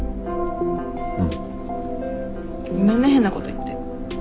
ごめんね変なこと言って。